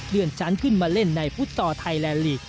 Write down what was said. เลื่อนชั้นขึ้นมาเล่นในฟุตซอลไทยแลนดลีก